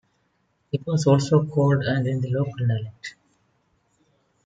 It was also called and in the local dialect.